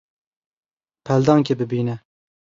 Peldankê bibîne.